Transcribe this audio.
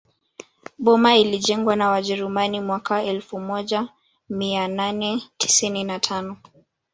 Boma ilijengwa na wajerumani mwaka elfu moja mia nane tisini na tano